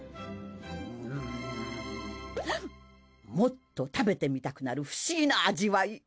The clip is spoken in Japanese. もっと食べてみたくなる不思議な味わい。